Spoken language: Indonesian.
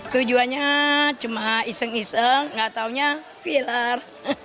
tujuannya cuma iseng iseng nggak tahunya filler